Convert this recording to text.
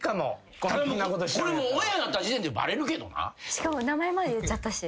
しかも名前まで言っちゃったし。